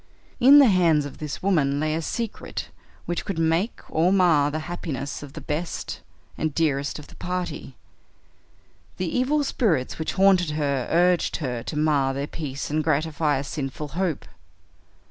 In the hands of this woman lay a secret which could make or mar the happiness of the best and dearest of the party. The evil spirits which haunted her urged her to mar their peace and gratify a sinful hope.